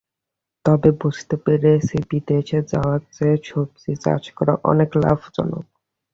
তবে বুঝতে পেরেছি, বিদেশে যাওয়ার চেয়ে সবজি চাষ করা অনেক লাভজনক।